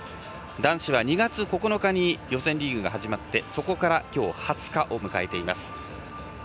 男子は２月９日に予選リーグが始まってそこから今日、２０日を迎えています。